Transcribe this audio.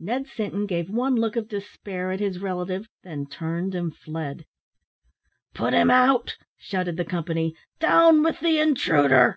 Ned Sinton gave one look of despair at his relative then turned and fled. "Put him out," shouted the company. "Down with the intruder!"